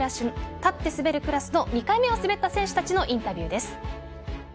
立って滑るクラスの２回目を滑った選手たちのインタビューです。